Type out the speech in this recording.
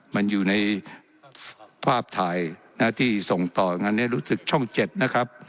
มันอยู่ในภาพถ่ายนะที่ส่งต่อกันนี้รู้สึกช่อง๗นะครับ